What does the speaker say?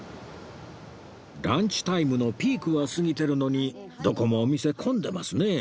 ランチタイムのピークは過ぎてるのにどこもお店混んでますね